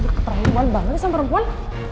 perempuan banget nih sama perempuan